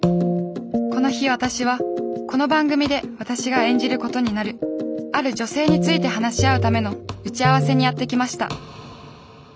この日私はこの番組で私が演じることになるある女性について話し合うための打ち合わせにやって来ました。